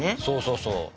そうそうそう。